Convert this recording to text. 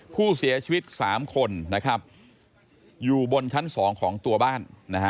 ผู้เสียชีวิต๓คนอยู่บนชั้น๒ของตัวบ้าน